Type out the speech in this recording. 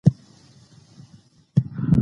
کوم نقل قول چي